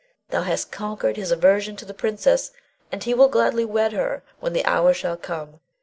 Thou hast conquered his aversion to the princess, and he will gladly wed her when the hour shall come.